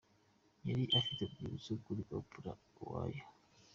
Yari afite urwibutso kuri Oprah Uwoya.